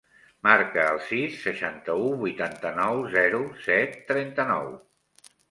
Marca el sis, seixanta-u, vuitanta-nou, zero, set, trenta-nou.